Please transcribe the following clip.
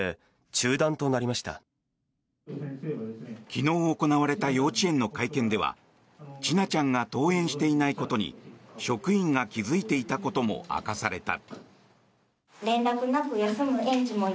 昨日行われた幼稚園の会見では千奈ちゃんが登園していないことに職員が気付いていたことも明かされた。